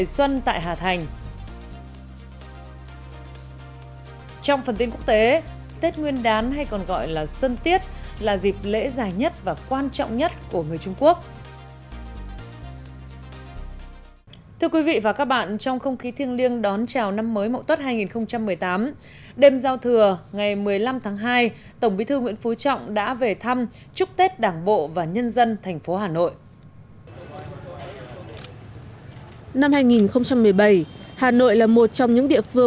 xin chào và hẹn gặp lại trong các bộ phim tiếp theo